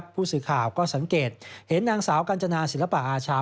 ผู้สื่อข่าวก็สังเกตเห็นนางสาวกัญจนาศิลปะอาชา